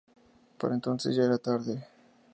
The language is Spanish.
Para entonces ya era tarde.